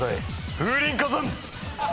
風林火山！